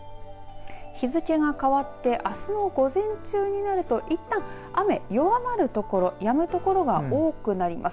日付が変わってあすの午前中になるといったん雨弱まる所、やむ所が多くなります。